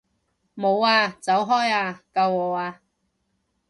冇啊！走開啊！救我啊！